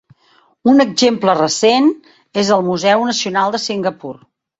Un exemple recent és el Museu Nacional de Singapur.